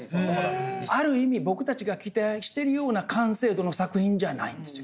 ある意味僕たちが期待してるような完成度の作品じゃないんですよ。